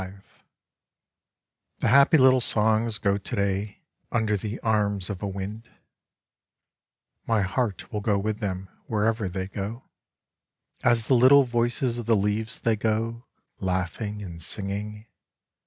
V The happy little songs go to day under the arms of a fyose Poems jy wind : my heart will go with them, wherever they go. As the little voices of the leaves they go, laughing and singing.